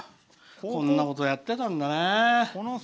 こんなことやってたんだね。